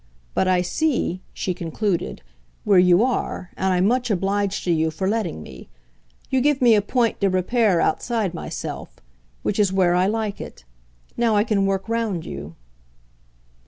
But I see," she concluded, "where you are, and I'm much obliged to you for letting me. You give me a point de repere outside myself which is where I like it. Now I can work round you."